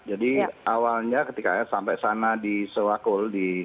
jadi awalnya ketika saya sampai sana di sewakul